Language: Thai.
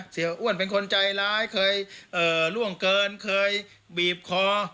เสียอ้วนเป็นคนใจร้ายเคยล่วงเกินเคยบีบคอ